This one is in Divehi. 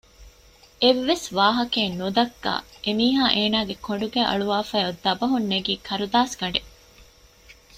އެއްވެސް ވާހަކައެއް ނުދައްކާ އެމީހާ އޭނަގެ ކޮނޑުގައި އަޅުވާފައި އޮތް ދަބަހުން ނެގީ ކަރުދާސްގަޑެއް